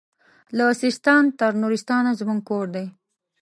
له سیستان تر نورستانه زموږ کور دی